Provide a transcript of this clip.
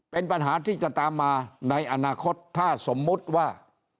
เป็นปัญหาที่จะตามมาในอนาคตถ้าสมมุติว่า